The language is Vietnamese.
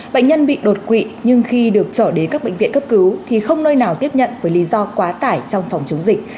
bệnh nhân bị đột quỵ nhưng khi được trở đến các bệnh viện cấp cứu thì không nơi nào tiếp nhận với lý do quá tải trong phòng chống dịch